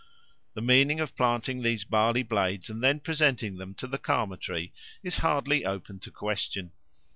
The meaning of planting these barley blades and then presenting them to the Karma tree is hardly open to question.